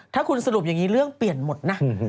ถ้าคุณสรุปอย่างนี้เรื่องเปลี่ยนหมดนะ